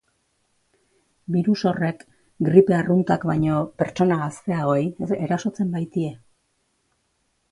Birus horrek, gripe arruntak baino pertsona gazteagoei erasotzen baitie.